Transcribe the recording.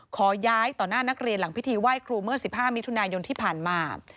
ขอย้ายต่อหน้านักเรียนหลังพิธีไหว้ครูเมื่อ๑๕มิถุนายนที่ผ่านมา